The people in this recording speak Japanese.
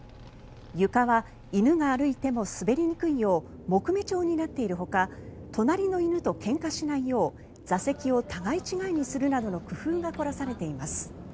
床は犬が歩いても滑りにくいよう木目調になっているほか隣の犬とけんかしないよう座席を互い違いにするなどの工夫が凝らされています。